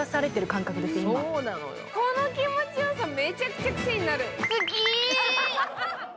この気持ちよさ、めちゃくちゃ癖になる。